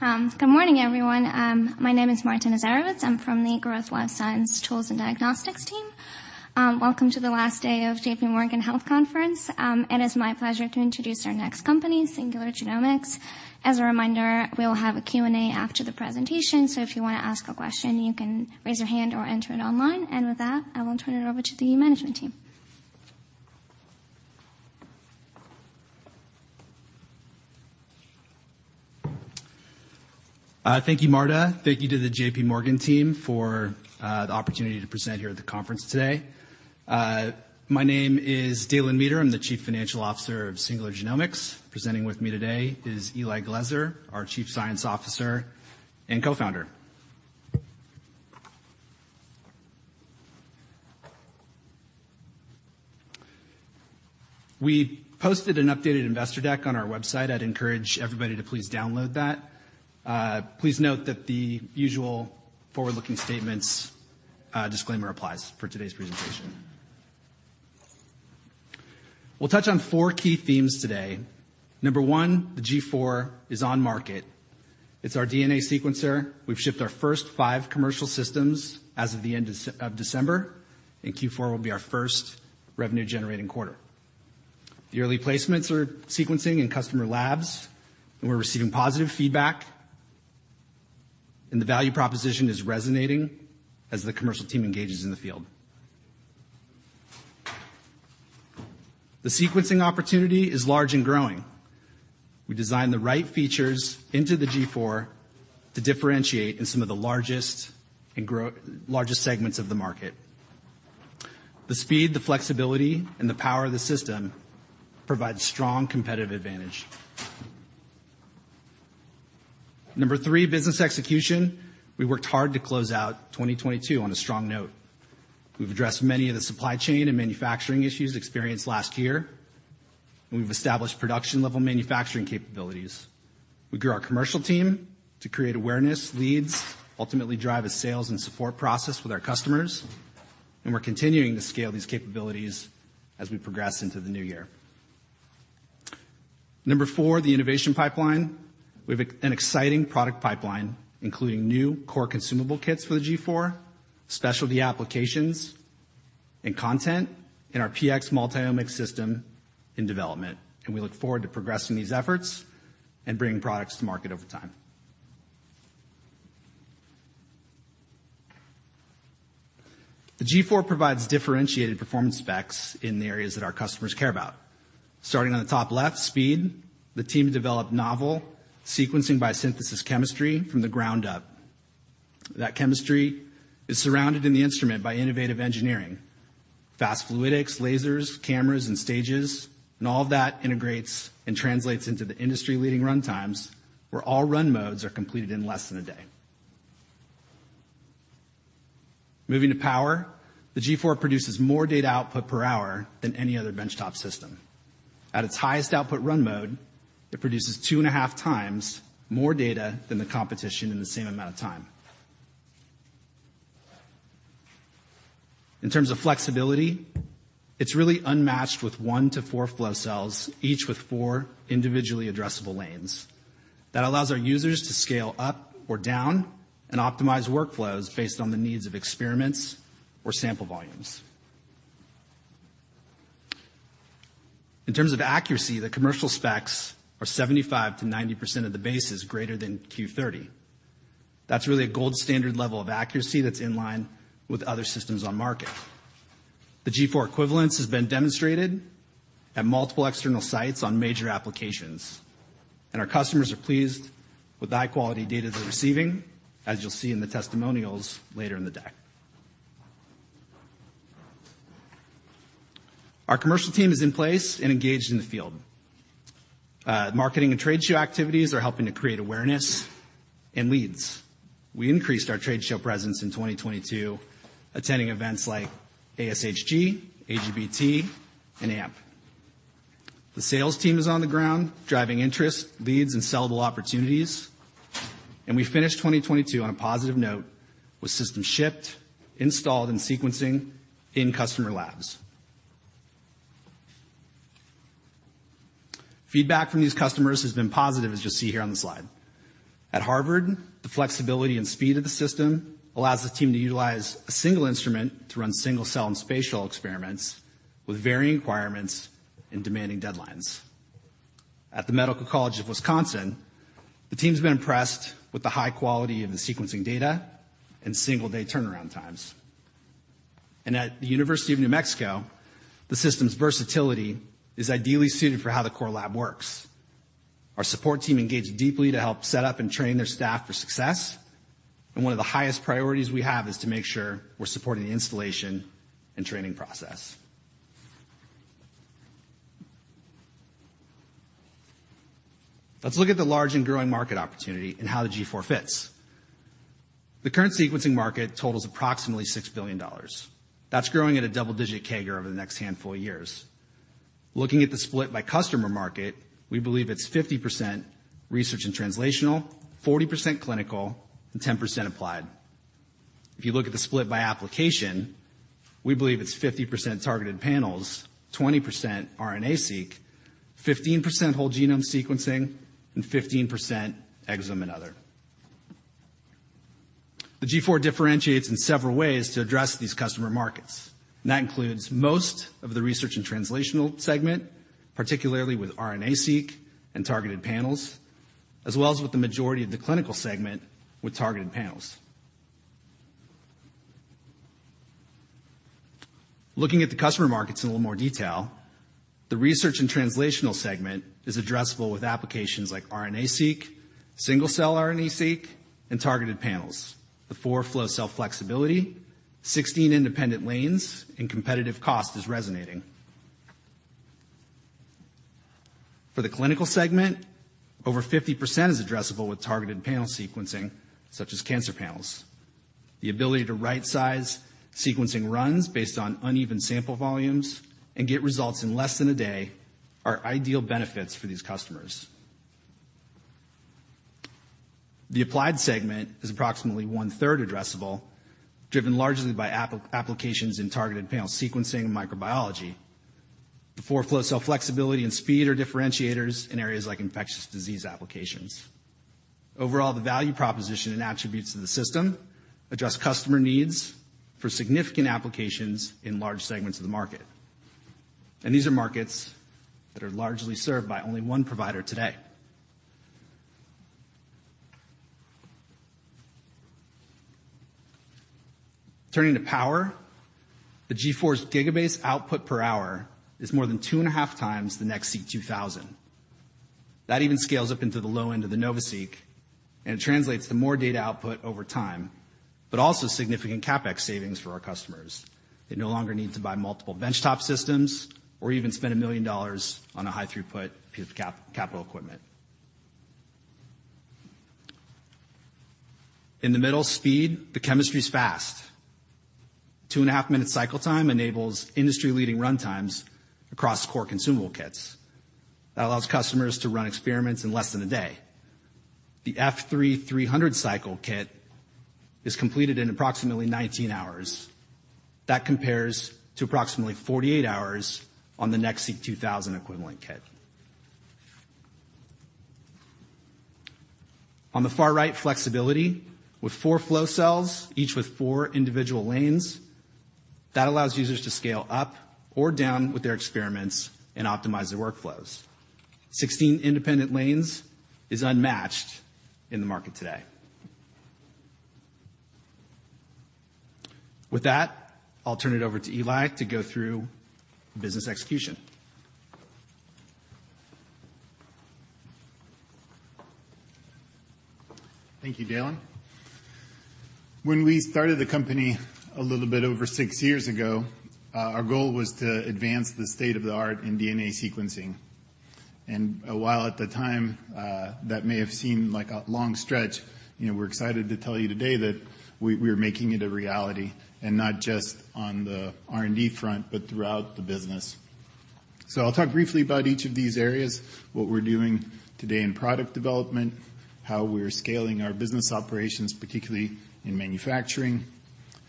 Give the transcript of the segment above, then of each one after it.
Good morning, everyone. My name is Marta Pozniak. I'm from the Growth Life Science Tools & Diagnostics team. Welcome to the last day of J.P. Morgan Healthcare Conference. It is my pleasure to introduce our next company, Singular Genomics. As a reminder, we'll have a Q&A after the presentation. If you wanna ask a question, you can raise your hand or enter it online. With that, I will turn it over to the management team. Thank you, Marta. Thank you to the J.P. Morgan team for the opportunity to present here at the conference today. My name is Dalen Meeter. I'm the Chief Financial Officer of Singular Genomics Systems. Presenting with me today is Eli Glezer, our Chief Science Officer and Co-Founder. We posted an updated investor deck on our website. I'd encourage everybody to please download that. Please note that the usual forward-looking statements disclaimer applies for today's presentation. We'll touch on four key themes today. Number one, the G4 is on market. It's our DNA sequencer. We've shipped our first five commercial systems as of the end of December, Q4 will be our first revenue-generating quarter. The early placements are sequencing in customer labs, we're receiving positive feedback. The value proposition is resonating as the commercial team engages in the field. The sequencing opportunity is large and growing. We designed the right features into the G4 to differentiate in some of the largest and largest segments of the market. The speed, the flexibility, and the power of the system provide strong competitive advantage. Number three, business execution. We worked hard to close out 2022 on a strong note. We've addressed many of the supply chain and manufacturing issues experienced last year, and we've established production-level manufacturing capabilities. We grew our commercial team to create awareness, leads, ultimately drive a sales and support process with our customers, and we're continuing to scale these capabilities as we progress into the new year. Number four, the innovation pipeline. We have an exciting product pipeline, including new core consumable kits for the G4, specialty applications and content, and our PX multi-omics system in development. We look forward to progressing these efforts and bringing products to market over time. The G4 provides differentiated performance specs in the areas that our customers care about. Starting on the top left, speed. The team developed novel sequencing by synthesis chemistry from the ground up. That chemistry is surrounded in the instrument by innovative engineering, fast fluidics, lasers, cameras, and stages, and all of that integrates and translates into the industry-leading runtimes where all run modes are completed in less than a day. Moving to power, the G4 produces more data output per hour than any other benchtop system. At its highest output run mode, it produces 2.5x more data than the competition in the same amount of time. In terms of flexibility, it's really unmatched with one to four flow cells, each with four individually addressable lanes. That allows our users to scale up or down and optimize workflows based on the needs of experiments or sample volumes. In terms of accuracy, the commercial specs are 75%-90% of the bases greater than Q30. That's really a gold standard level of accuracy that's in line with other systems on market. The G4 equivalence has been demonstrated at multiple external sites on major applications, and our customers are pleased with the high-quality data they're receiving, as you'll see in the testimonials later in the deck. Our commercial team is in place and engaged in the field. Marketing and trade show activities are helping to create awareness and leads. We increased our trade show presence in 2022, attending events like ASHG, AGBT, and AMP. The sales team is on the ground driving interest, leads, and sellable opportunities, and we finished 2022 on a positive note with systems shipped, installed, and sequencing in customer labs. Feedback from these customers has been positive, as you'll see here on the slide. At Harvard University, the flexibility and speed of the system allows the team to utilize a single instrument to run single-cell and spatial experiments with varying requirements and demanding deadlines. At the Medical College of Wisconsin, the team's been impressed with the high quality of the sequencing data and single-day turnaround times. At the University of New Mexico, the system's versatility is ideally suited for how the core lab works. Our support team engaged deeply to help set up and train their staff for success. One of the highest priorities we have is to make sure we're supporting the installation and training process. Let's look at the large and growing market opportunity and how the G4 fits. The current sequencing market totals approximately $6 billion. That's growing at a double-digit CAGR over the next handful of years. Looking at the split by customer market, we believe it's 50% research and translational, 40% clinical, and 10% applied. If you look at the split by application, we believe it's 50% targeted panels, 20% RNA-Seq, 15% whole genome sequencing, and 15% exome and other. The G4 differentiates in several ways to address these customer markets, and that includes most of the research and translational segment, particularly with RNA-Seq and targeted panels, as well as with the majority of the clinical segment with targeted panels. Looking at the customer markets in a little more detail, the research and translational segment is addressable with applications like RNA-Seq, single-cell RNA-Seq, and targeted panels. The four flow cell flexibility, 16 independent lanes, and competitive cost is resonating. For the clinical segment, over 50% is addressable with targeted panel sequencing, such as cancer panels. The ability to right-size sequencing runs based on uneven sample volumes and get results in less than a day are ideal benefits for these customers. The applied segment is approximately one-third addressable, driven largely by applications in targeted panel sequencing and microbiology. The four flow cell flexibility and speed are differentiators in areas like infectious disease applications. Overall, the value proposition and attributes of the system address customer needs for significant applications in large segments of the market. These are markets that are largely served by only one provider today. Turning to power, the G4's gigabase output per hour is more than 2.5x the NextSeq 2000. It even scales up into the low end of the NovaSeq, and it translates to more data output over time, but also significant CapEx savings for our customers. They no longer need to buy multiple benchtop systems or even spend $1 million on a high throughput piece of capital equipment. In the middle, speed, the chemistry's fast. 2.5 minute cycle time enables industry-leading runtimes across core consumable kits. It allows customers to run experiments in less than a day. The F3 300 cycle kit is completed in approximately 19 hours. It compares to approximately 48 hours on the NextSeq 2000 equivalent kit. On the far right, flexibility with four flow cells, each with four individual lanes. That allows users to scale up or down with their experiments and optimize their workflows. 16 independent lanes is unmatched in the market today. With that, I'll turn it over to Eli to go through business execution. Thank you, Dalen. When we started the company a little bit over six years ago, our goal was to advance the state of the art in DNA sequencing. While at the time, that may have seemed like a long stretch, you know, we are excited to tell you today that we are making it a reality, and not just on the R&D front, but throughout the business. I'll talk briefly about each of these areas, what we're doing today in product development, how we are scaling our business operations, particularly in manufacturing,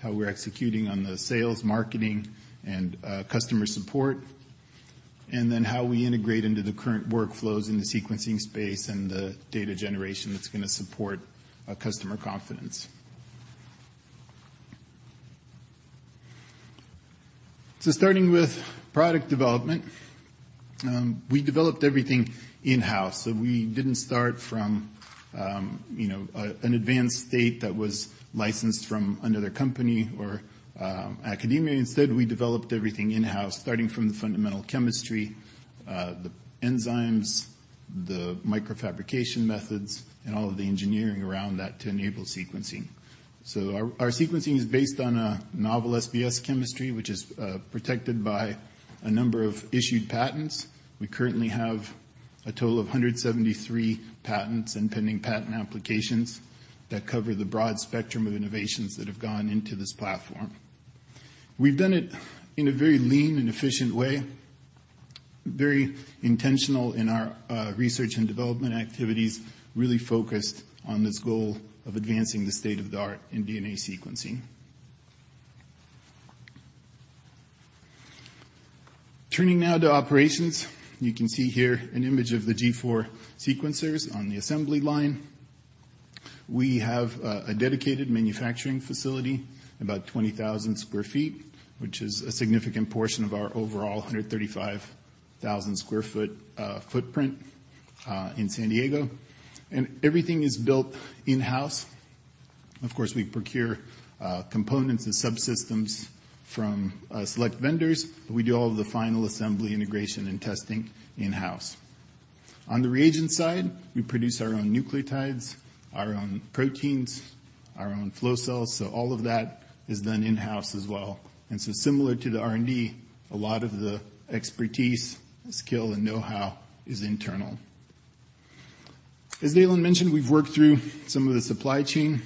how we're executing on the sales, marketing, and customer support, and then how we integrate into the current workflows in the sequencing space and the data generation that's gonna support customer confidence. Starting with product development, we developed everything in-house. We didn't start from, you know, an advanced state that was licensed from another company or academia. Instead, we developed everything in-house, starting from the fundamental chemistry, the enzymes, the microfabrication methods, and all of the engineering around that to enable sequencing. Our sequencing is based on a novel SBS chemistry, which is protected by a number of issued patents. We currently have a total of 173 patents and pending patent applications that cover the broad spectrum of innovations that have gone into this platform. We've done it in a very lean and efficient way, very intentional in our research and development activities, really focused on this goal of advancing the state of the art in DNA sequencing. Turning now to operations, you can see here an image of the G4 sequencers on the assembly line. We have a dedicated manufacturing facility, about 20,000 sq ft, which is a significant portion of our overall 135,000 sq ft footprint in San Diego. Everything is built in-house. Of course, we procure components and subsystems from select vendors, but we do all of the final assembly, integration, and testing in-house. On the reagent side, we produce our own nucleotides, our own proteins, our own flow cells. All of that is done in-house as well. Similar to the R&D, a lot of the expertise, skill, and know-how is internal. As Dalen mentioned, we've worked through some of the supply chain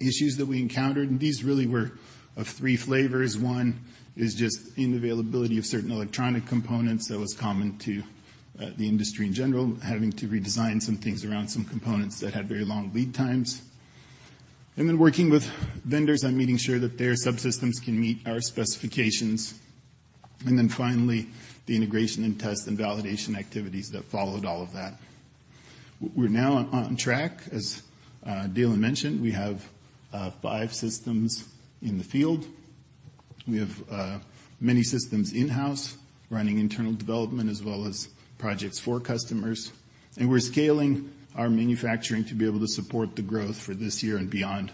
issues that we encountered. These really were of three flavors. One is just in the availability of certain electronic components that was common to the industry in general, having to redesign some things around some components that had very long lead times. Working with vendors on making sure that their subsystems can meet our specifications. Finally, the integration and test and validation activities that followed all of that. We're now on track, as Dalen mentioned. We have five systems in the field. We have many systems in-house running internal development as well as projects for customers, and we're scaling our manufacturing to be able to support the growth for this year and beyond.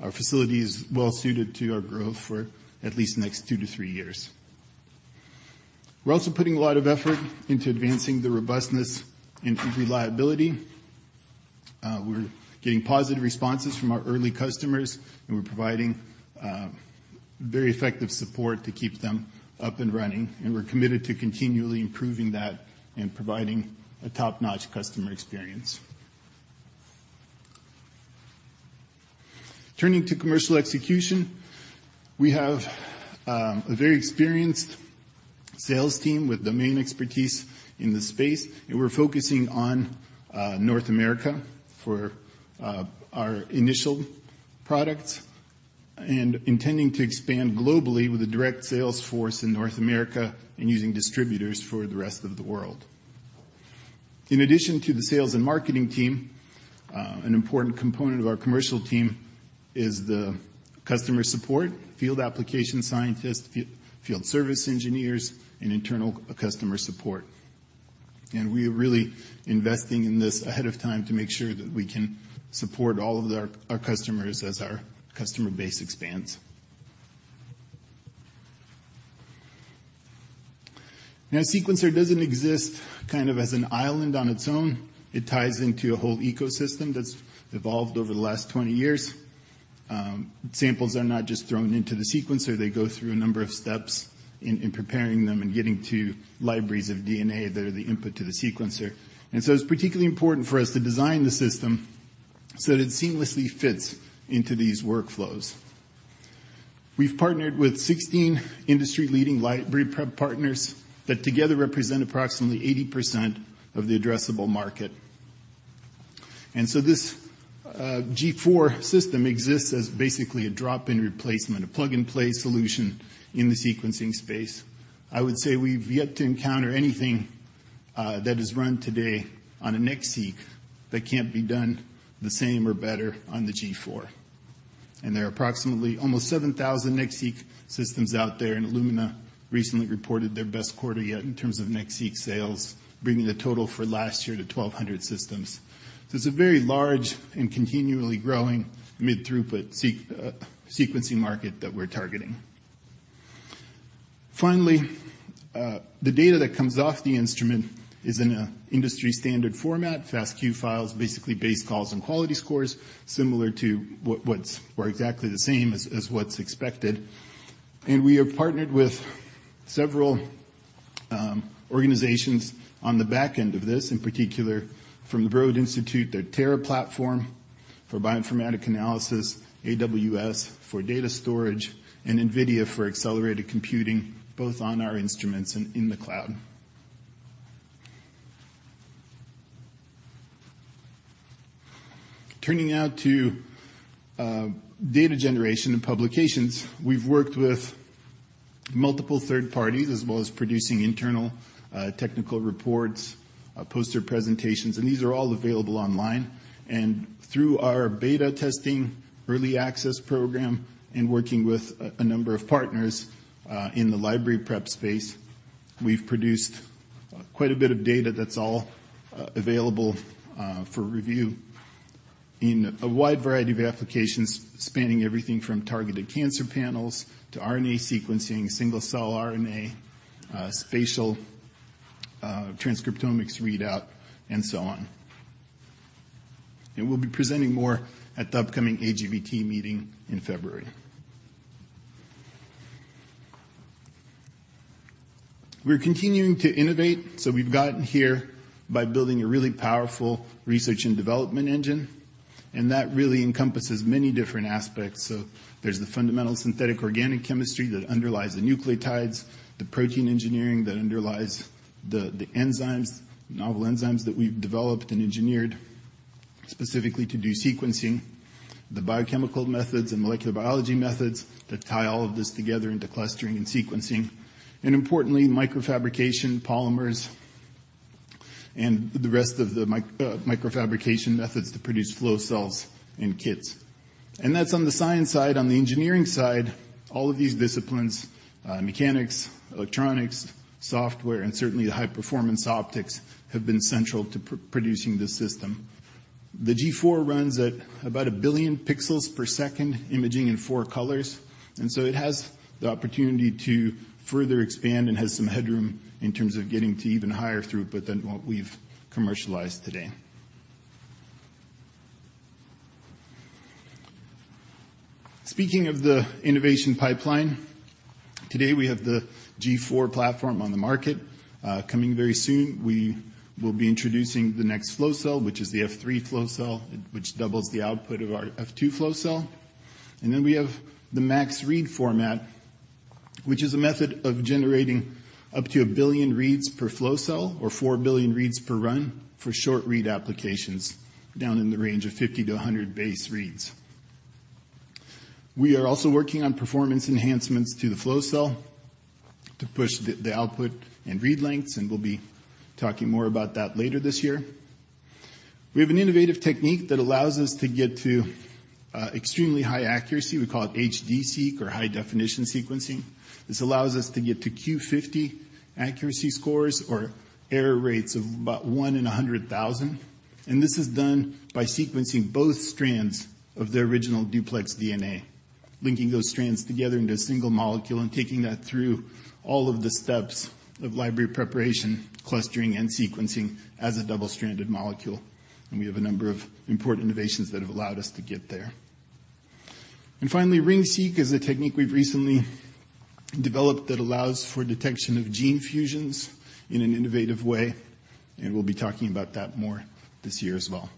Our facility is well suited to our growth for at least the next two to three years. We're also putting a lot of effort into advancing the robustness and reliability. We're getting positive responses from our early customers, and we're providing very effective support to keep them up and running, and we're committed to continually improving that and providing a top-notch customer experience. Turning to commercial execution, we have a very experienced sales team with domain expertise in the space, and we're focusing on North America for our initial products and intending to expand globally with a direct sales force in North America and using distributors for the rest of the world. In addition to the sales and marketing team, an important component of our commercial team is the customer support, field application scientists, field service engineers, and internal customer support. We are really investing in this ahead of time to make sure that we can support all of our customers as our customer base expands. Now, sequencer doesn't exist kind of as an island on its own. It ties into a whole ecosystem that's evolved over the last 20 years. Samples are not just thrown into the sequencer. They go through a number of steps in preparing them and getting to libraries of DNA that are the input to the sequencer. It's particularly important for us to design the system so that it seamlessly fits into these workflows. We've partnered with 16 industry-leading library prep partners that together represent approximately 80% of the addressable market. This G4 system exists as basically a drop-in replacement, a plug-and-play solution in the sequencing space. I would say we've yet to encounter anything that is run today on a NextSeq that can't be done the same or better on the G4. There are approximately almost 7,000 NextSeq systems out there, and Illumina recently reported their best quarter yet in terms of NextSeq sales, bringing the total for last year to 1,200 systems. It's a very large and continually growing mid-throughput sequencing market that we're targeting. Finally, the data that comes off the instrument is in an industry standard format, FASTQ files, basically base calls and quality scores, similar to what's or exactly the same as what's expected. We have partnered with several organizations on the back end of this, in particular from the Broad Institute, their Terra platform for bioinformatic analysis, AWS for data storage, and NVIDIA for accelerated computing, both on our instruments and in the cloud. Turning now to data generation and publications, we've worked with multiple third parties as well as producing internal technical reports, poster presentations. These are all available online. Through our beta testing early access program and working with a number of partners in the library prep space, we've produced quite a bit of data that's all available for review in a wide variety of applications spanning everything from targeted cancer panels to RNA sequencing, single-cell RNA, spatial transcriptomics readout, and so on. We'll be presenting more at the upcoming AGBT meeting in February. We're continuing to innovate, so we've gotten here by building a really powerful research and development engine, and that really encompasses many different aspects. There's the fundamental synthetic organic chemistry that underlies the nucleotides, the protein engineering that underlies the enzymes, novel enzymes that we've developed and engineered specifically to do sequencing, the biochemical methods and molecular biology methods that tie all of this together into clustering and sequencing, and importantly, microfabrication polymers and the rest of the microfabrication methods to produce flow cells and kits. That's on the science side. On the engineering side, all of these disciplines, mechanics, electronics, software, and certainly the high-performance optics, have been central to producing this system. The G4 runs at about 1 billion pixels per second, imaging in four colors. It has the opportunity to further expand and has some headroom in terms of getting to even higher throughput than what we've commercialized today. Speaking of the innovation pipeline, today we have the G4 platform on the market. Coming very soon, we will be introducing the next flow cell, which is the F3 flow cell, which doubles the output of our F2 flow cell. We have the Max Read format, which is a method of generating up to 1 billion reads per flow cell or 4 billion reads per run for short read applications down in the range of 50 to 100 base reads. We are also working on performance enhancements to the flow cell to push the output and read lengths, and we'll be talking more about that later this year. We have an innovative technique that allows us to get to extremely high accuracy. We call it HD-Seq or High Definition Sequencing. This allows us to get to Q50 accuracy scores or error rates of about 1 in 100,000. This is done by sequencing both strands of the original duplex DNA, linking those strands together into a single molecule and taking that through all of the steps of library preparation, clustering, and sequencing as a double-stranded molecule. We have a number of important innovations that have allowed us to get there. Finally, Ring-Seq is a technique we've recently developed that allows for detection of gene fusions in an innovative way, and we'll be talking about that more this year as well.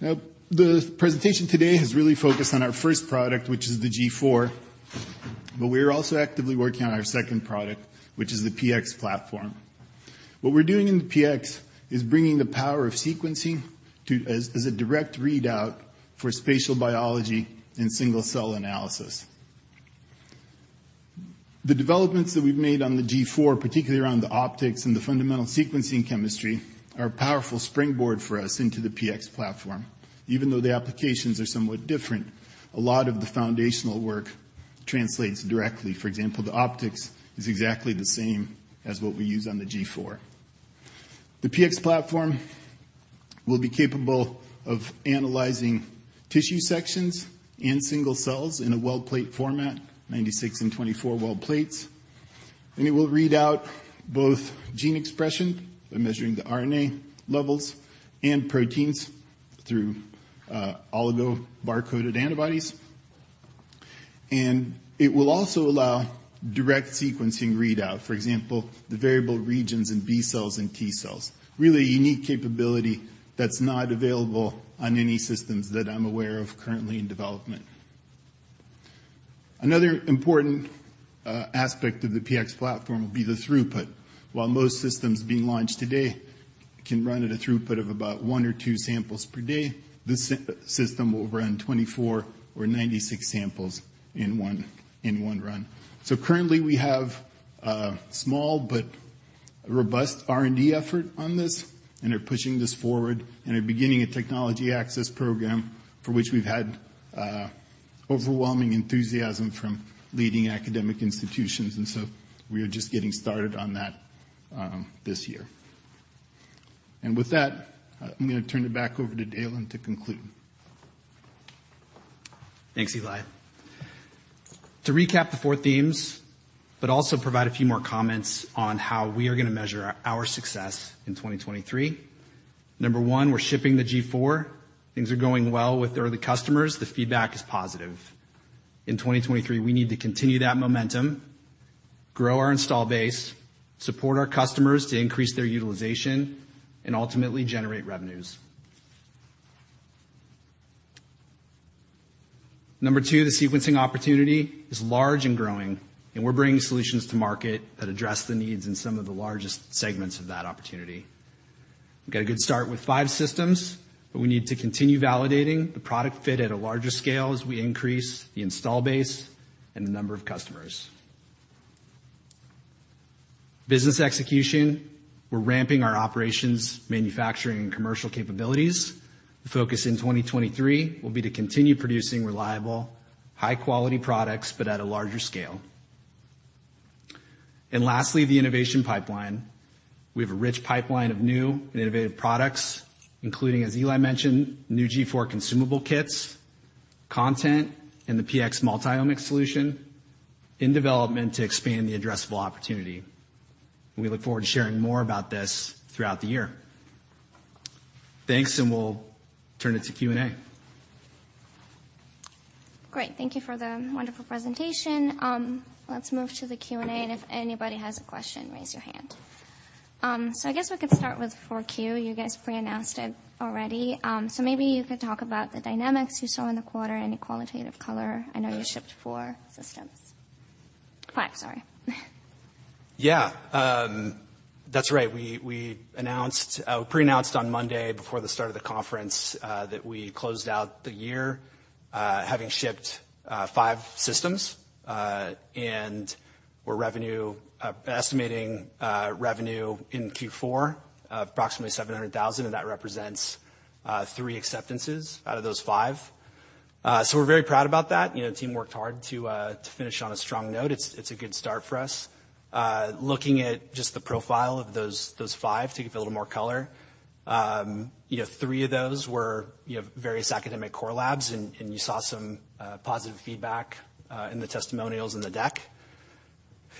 Now, the presentation today has really focused on our first product, which is the G4, but we are also actively working on our second product, which is the PX platform. What we're doing in the PX is bringing the power of sequencing as a direct readout for spatial biology and single-cell analysis. The developments that we've made on the G4, particularly around the optics and the fundamental sequencing chemistry, are a powerful springboard for us into the PX platform. Even though the applications are somewhat different, a lot of the foundational work translates directly. For example, the optics is exactly the same as what we use on the G4. The PX platform will be capable of analyzing tissue sections and single cells in a well plate format, 96 and 24 well plates, and it will read out both gene expression by measuring the RNA levels and proteins through oligo-barcoded antibodies. It will also allow direct sequencing readout. For example, the variable regions in B cells and T cells. Really a unique capability that's not available on any systems that I'm aware of currently in development. Another important aspect of the PX platform will be the throughput. While most systems being launched today can run at a throughput of about one or two samples per day, this system will run 24 or 96 samples in one run. Currently, we have a small but robust R&D effort on this and are pushing this forward and are beginning a technology access program for which we've had overwhelming enthusiasm from leading academic institutions. We are just getting started on that this year. With that, I'm gonna turn it back over to Dalen to conclude. Thanks, Eli. To recap the four themes, also provide a few more comments on how we are gonna measure our success in 2023. Number one, we're shipping the G4. Things are going well with early customers. The feedback is positive. In 2023, we need to continue that momentum, grow our install base, support our customers to increase their utilization, and ultimately generate revenues. Number two, the sequencing opportunity is large and growing. We're bringing solutions to market that address the needs in some of the largest segments of that opportunity. We've got a good start with five systems. We need to continue validating the product fit at a larger scale as we increase the install base and the number of customers. Business execution, we're ramping our operations, manufacturing, and commercial capabilities. The focus in 2023 will be to continue producing reliable, high-quality products, but at a larger scale. Lastly, the innovation pipeline. We have a rich pipeline of new and innovative products, including, as Eli mentioned, new G4 consumable kits, content, and the PX Multiomics solution in development to expand the addressable opportunity. We look forward to sharing more about this throughout the year. Thanks. We'll turn it to Q&A. Great. Thank you for the wonderful presentation. Let's move to the Q&A, and if anybody has a question, raise your hand. I guess we could start with 4Q. You guys pre-announced it already. Maybe you could talk about the dynamics you saw in the quarter, any qualitative color. I know you shipped four systems. five, sorry. Yeah. That's right. We announced pre-announced on Monday before the start of the conference that we closed out the year having shipped five systems. We're estimating revenue in Q4, approximately $700,000, and that represents three acceptances out of those five. We're very proud about that. You know, the team worked hard to finish on a strong note. It's a good start for us. Looking at just the profile of those five to give a little more color. You know, three of those were, you know, various academic core labs, and you saw some positive feedback in the testimonials in the deck.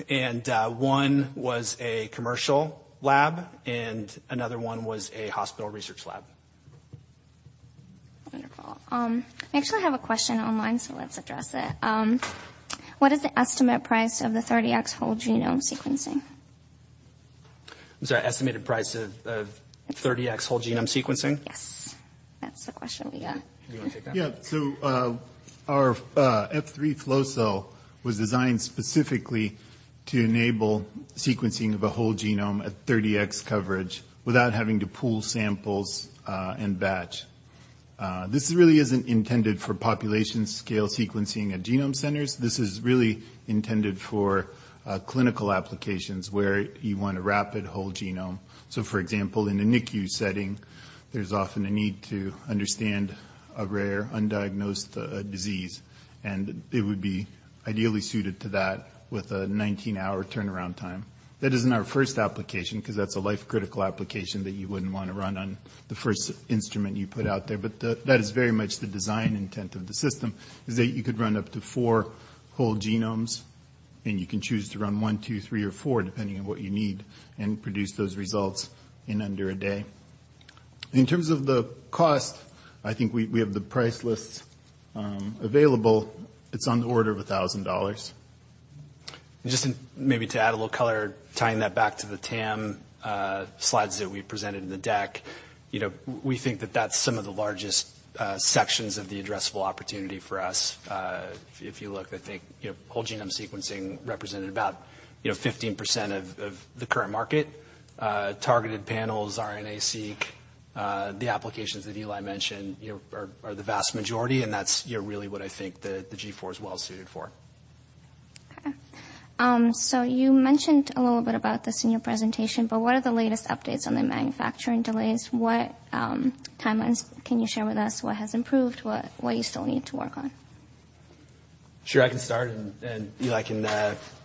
One was a commercial lab, and another one was a hospital research lab. Wonderful. I actually have a question online, so let's address it. What is the estimate price of the 30X whole genome sequencing? I'm sorry, estimated price of 30X whole genome sequencing? Yes. That's the question we got. Do you wanna take that? Our F3 flow cell was designed specifically to enable sequencing of a whole genome at 30X coverage without having to pool samples and batch. This really isn't intended for population scale sequencing at genome centers. This is really intended for clinical applications where you want a rapid whole genome. For example, in a NICU setting, there's often a need to understand a rare undiagnosed disease, and it would be ideally suited to that with a 19-hour turnaround time. That isn't our first application 'cause that's a life-critical application that you wouldn't wanna run on the first instrument you put out there. The... that is very much the design intent of the system, is that you could run up to four whole genomes, and you can choose to run one, two, three or four, depending on what you need, and produce those results in under a day. In terms of the cost, I think we have the price list, available. It's on the order of $1,000. Just maybe to add a little color, tying that back to the TAM, slides that we presented in the deck. You know, we think that that's some of the largest sections of the addressable opportunity for us. If you look, I think, you know, whole genome sequencing represented about, you know, 15% of the current market. Targeted panels, RNA-Seq, the applications that Eli mentioned, you know, are the vast majority, and that's, you know, really what I think the G4 is well suited for. Okay. You mentioned a little bit about this in your presentation, but what are the latest updates on the manufacturing delays? What timelines can you share with us? What has improved? What do you still need to work on? Sure, I can start and Eli can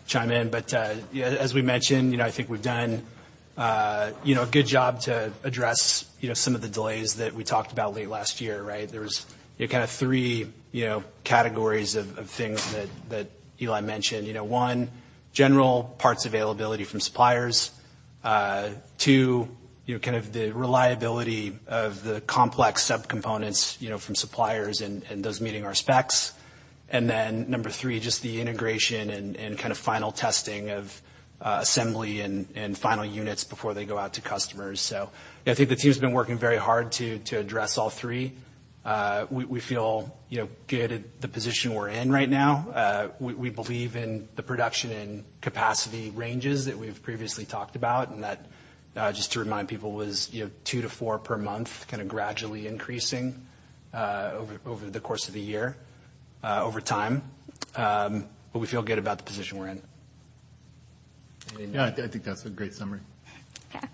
chime in. Yeah, as we mentioned, you know, I think we've done, you know, a good job to address, you know, some of the delays that we talked about late last year, right? There's, you know, kind of three, you know, categories of things that Eli mentioned. One, general parts availability from suppliers. Two, you know, kind of the reliability of the complex subcomponents, you know, from suppliers and those meeting our specs. Number three, just the integration and kind of final testing of assembly and final units before they go out to customers. I think the team's been working very hard to address all three. We feel, you know, good at the position we're in right now. We believe in the production and capacity ranges that we've previously talked about, and that, just to remind people, was, you know, two to four per month, kinda gradually increasing, over the course of the year, over time. We feel good about the position we're in. Yeah, I think that's a great summary. Okay.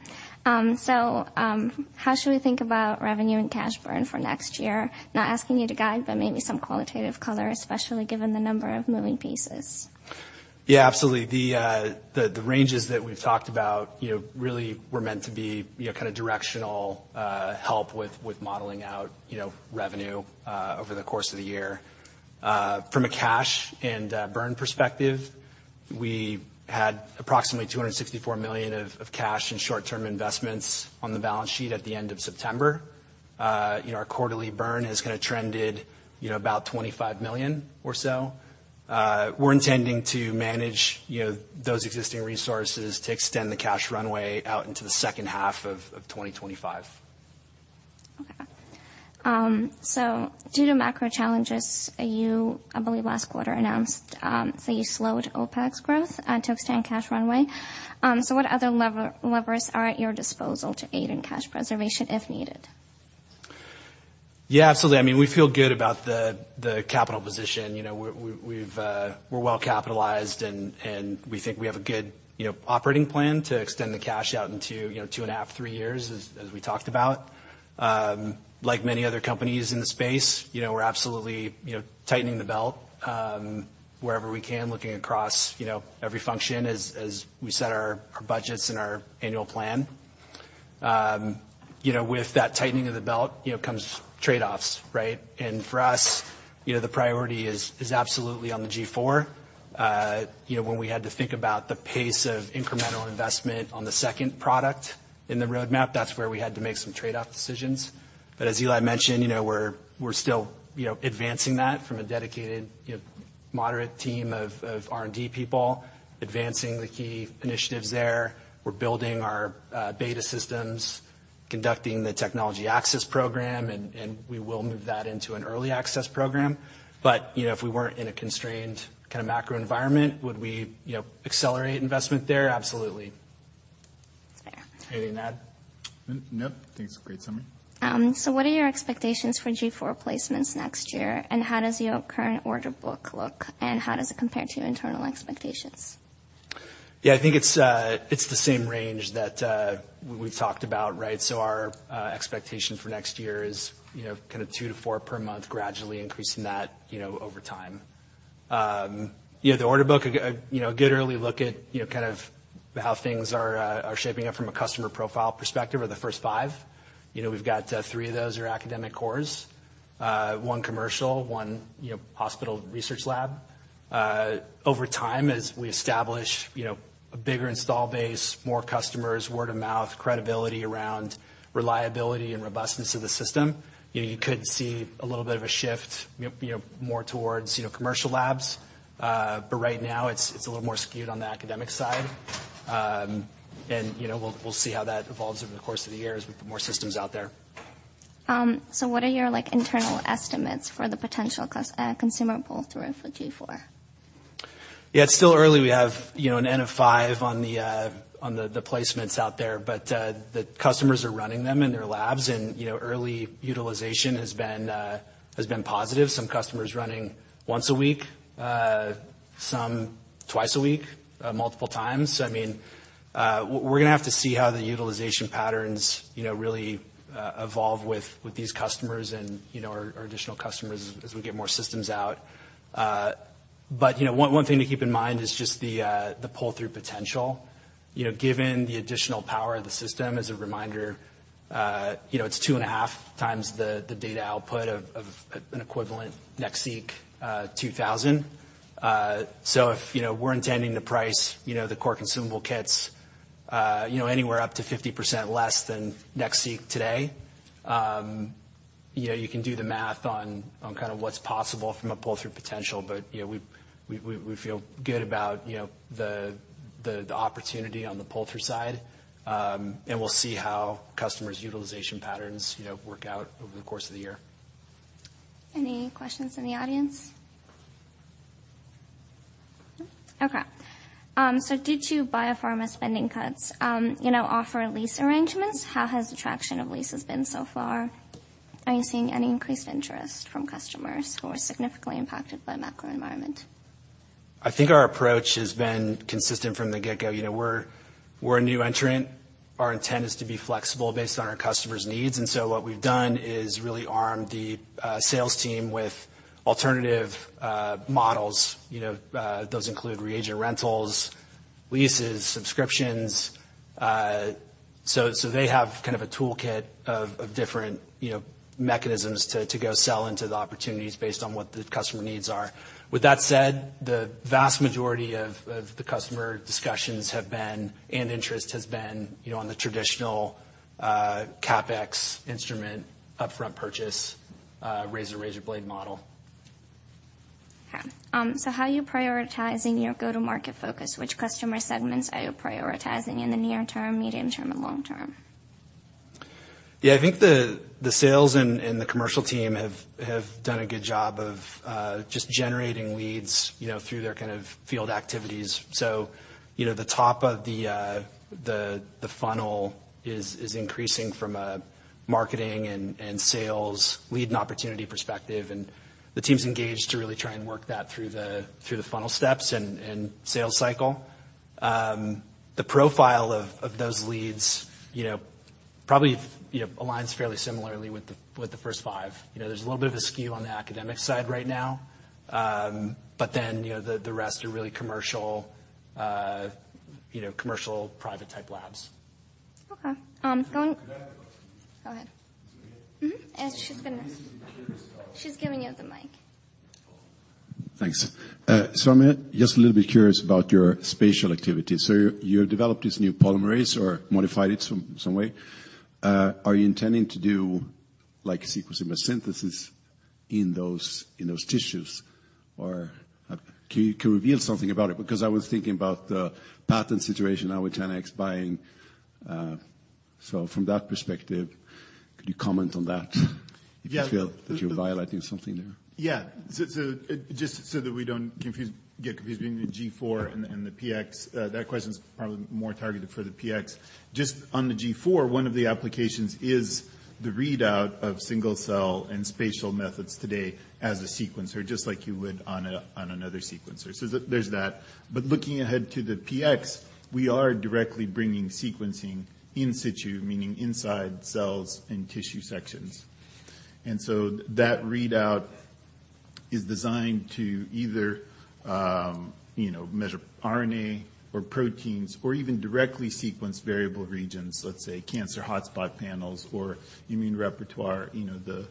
How should we think about revenue and cash burn for next year? Not asking you to guide, but maybe some qualitative color, especially given the number of moving pieces. Absolutely. The, the ranges that we've talked about, you know, really were meant to be, you know, kind of directional, help with modeling out, you know, revenue over the course of the year. From a cash and burn perspective, we had approximately $264 million of cash in short-term investments on the balance sheet at the end of September. You know, our quarterly burn has kind of trended, you know, about $25 million or so. We're intending to manage, you know, those existing resources to extend the cash runway out into the second half of 2025. Okay. Due to macro challenges, you, I believe, last quarter announced that you slowed OpEx growth to extend cash runway. What other levers are at your disposal to aid in cash preservation if needed? Yeah, absolutely. I mean, we feel good about the capital position. You know, we're well capitalized and we think we have a good, you know, operating plan to extend the cash out into, you know, 2.5, three years, as we talked about. Like many other companies in the space, you know, we're absolutely, you know, tightening the belt wherever we can, looking across, you know, every function as we set our budgets and our annual plan. You know, with that tightening of the belt, you know, comes trade-offs, right? For us, you know, the priority is absolutely on the G4. You know, when we had to think about the pace of incremental investment on the second product in the roadmap, that's where we had to make some trade-off decisions. As Eli mentioned, you know, we're still, you know, advancing that from a dedicated, you know, moderate team of R&D people, advancing the key initiatives there. We're building our beta systems, conducting the technology access program, and we will move that into an early access program. You know, if we weren't in a constrained kinda macro environment, would we, you know, accelerate investment there? Absolutely. Fair. Anything to add? No. I think it's a great summary. What are your expectations for G4 placements next year, and how does your current order book look, and how does it compare to internal expectations? Yeah, I think it's the same range that we've talked about, right? Our expectation for next year is, you know, kinda two to four per month, gradually increasing that, you know, over time. You know, the order book, you know, a good early look at, you know, kind of how things are shaping up from a customer profile perspective are the first five. You know, we've got, threone of those are academic cores, one commercial, one, you know, hospital research lab. Over time, as we establish, you know, a bigger install base, more customers, word of mouth, credibility around reliability and robustness of the system, you know, you could see a little bit of a shift, you know, more towards, you know, commercial labs. Right now it's a little more skewed on the academic side. You know, we'll see how that evolves over the course of the year as we put more systems out there. What are your, like, internal estimates for the potential consumer pull through for G4? Yeah, it's still early. We have, you know, an N of 5 on the placements out there, the customers are running them in their labs and, you know, early utilization has been positive. Some customers running once a week, some twice a week, multiple times. I mean, we're gonna have to see how the utilization patterns, you know, really evolve with these customers and, you know, our additional customers as we get more systems out. You know, one thing to keep in mind is just the pull-through potential. You know, given the additional power of the system as a reminder, you know, it's 2.5x the data output of an equivalent NextSeq 2000. If, you know, we're intending to price, you know, the core consumable kits, you know, anywhere up to 50% less than NextSeq today, you know, you can do the math on kind of what's possible from a pull-through potential. You know, we feel good about, you know, the opportunity on the pull-through side, and we'll see how customers' utilization patterns, you know, work out over the course of the year. Any questions in the audience? Okay. Did you biopharma spending cuts, you know, offer lease arrangements? How has the traction of leases been so far? Are you seeing any increased interest from customers who are significantly impacted by macro environment? I think our approach has been consistent from the get-go. You know, we're a new entrant. Our intent is to be flexible based on our customers' needs. What we've done is really arm the sales team with alternative models. You know, those include reagent rentals, leases, subscriptions. So they have kind of a toolkit of different, you know, mechanisms to go sell into the opportunities based on what the customer needs are. With that said, the vast majority of the customer discussions have been, and interest has been, you know, on the traditional CapEx instrument, upfront purchase, razor blade model. Okay. How are you prioritizing your go-to-market focus? Which customer segments are you prioritizing in the near term, medium term, and long term? Yeah. I think the sales and the commercial team have done a good job of just generating leads, you know, through their kind of field activities. You know, the top of the funnel is increasing from a marketing and sales lead and opportunity perspective, and the team's engaged to really try and work that through the funnel steps and sales cycle. The profile of those leads, you know, probably, you know, aligns fairly similarly with the first five. You know, there's a little bit of a skew on the academic side right now, but then, you know, the rest are really commercial, you know, commercial private type labs. Okay. Can I have a question? Go ahead. Is it me? Mm-hmm. As she's finished. I'm just curious about. She's giving you the mic. Thanks. I'm just a little bit curious about your spatial activity. You developed this new polymerase or modified it some way. Are you intending to do like sequencing by synthesis in those tissues? Or can you reveal something about it? Because I was thinking about the patent situation now with 10x buying, so from that perspective, could you comment on that? Yeah. if you feel that you're violating something there? Just so that we don't get confused between the G4 and the PX, that question's probably more targeted for the PX. Just on the G4, one of the applications is the readout of single-cell and spatial methods today as a sequencer, just like you would on another sequencer. There's that. Looking ahead to the PX, we are directly bringing sequencing in situ, meaning inside cells and tissue sections. That readout is designed to either, you know, measure RNA or proteins or even directly sequence variable regions, let's say cancer hotspot panels or immune repertoire, you know,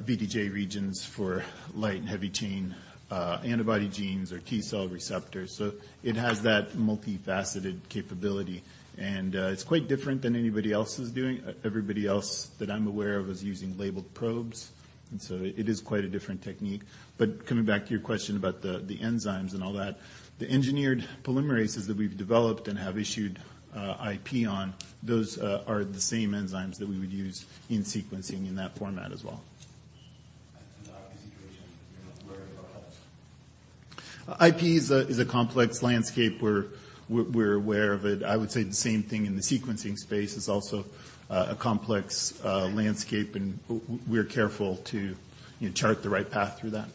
VDJ regions for light and heavy chain, antibody genes or T-cell receptors. It has that multifaceted capability, and, it's quite different than anybody else is doing. Everybody else that I'm aware of is using labeled probes. It is quite a different technique. Coming back to your question about the enzymes and all that, the engineered polymerases that we've developed and have issued, I.P. on, those are the same enzymes that we would use in sequencing in that format as well. The IP situation, you're not worried about that? IP is a complex landscape. We're aware of it. I would say the same thing in the sequencing space is also a complex landscape and we're careful to, you know, chart the right path through that.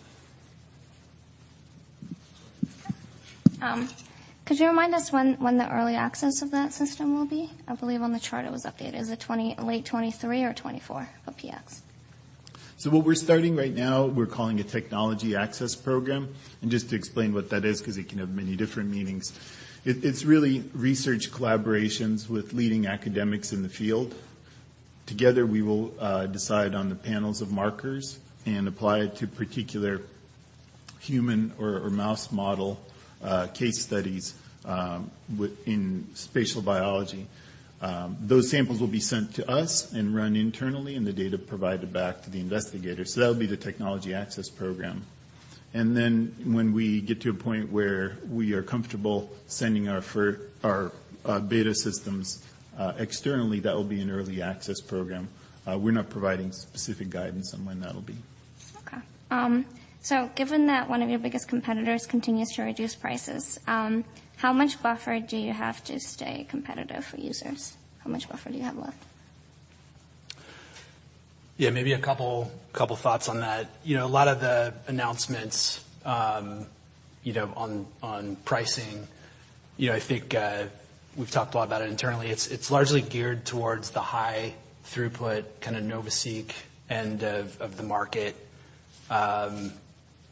Could you remind us when the early access of that system will be? I believe on the chart it was updated. Is it late 2023 or 2024 for PX? What we're starting right now, we're calling a technology access program. Just to explain what that is, because it can have many different meanings. It's really research collaborations with leading academics in the field. Together, we will decide on the panels of markers and apply it to particular human or mouse model case studies in spatial biology. Those samples will be sent to us and run internally, and the data provided back to the investigator. That'll be the technology access program. When we get to a point where we are comfortable sending our beta systems externally, that will be an early access program. We're not providing specific guidance on when that'll be. Okay. Given that one of your biggest competitors continues to reduce prices, how much buffer do you have to stay competitive for users? How much buffer do you have left? Yeah, maybe a couple thoughts on that. You know, a lot of the announcements, you know, on pricing, you know, I think we've talked a lot about it internally. It's largely geared towards the high throughput kinda NovaSeq end of the market,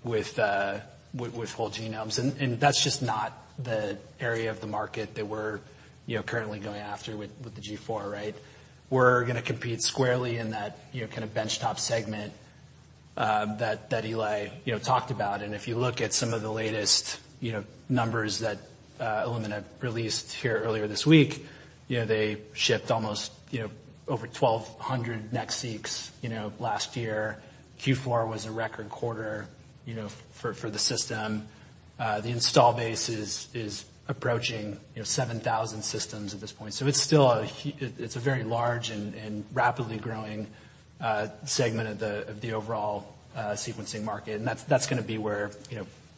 with whole genomes. That's just not the area of the market that we're, you know, currently going after with the G4, right? We're gonna compete squarely in that, you know, kinda bench top segment that Eli, you know, talked about. If you look at some of the latest, you know, numbers that Illumina released here earlier this week, you know, they shipped almost, you know, over 1,200 NextSeqs, you know, last year. Q4 was a record quarter, you know, for the system. The install bases is approaching 7,000 systems at this point. So it's still a very large and rapidly growing segment of the overall sequencing market. That's going to be where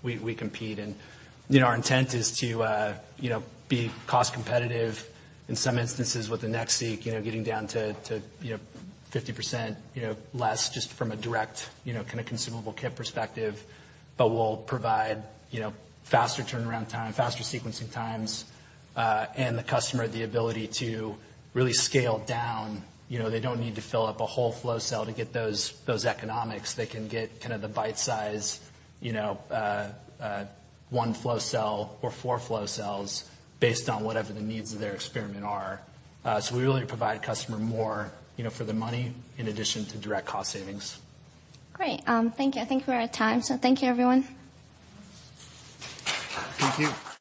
we compete. Our intent is to be cost competitive in some instances with the NextSeq, getting down to 50% less just from a direct consumable kit perspective. But we'll provide faster turnaround time, faster sequencing times, and the customer the ability to really scale down. They don't need to fill up a whole flow cell to get those economics They can get kinda the bite-size, you know, one flow cell or four flow cells based on whatever the needs of their experiment are. We really provide customer more, you know, for the money in addition to direct cost savings. Great. Thank you. I think we're at time, so thank you, everyone. Thank you.